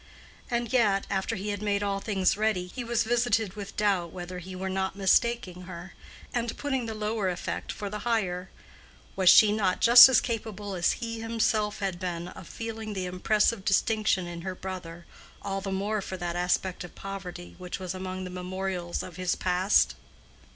And yet, after he had made all things ready, he was visited with doubt whether he were not mistaking her, and putting the lower effect for the higher: was she not just as capable as he himself had been of feeling the impressive distinction in her brother all the more for that aspect of poverty which was among the memorials of his past?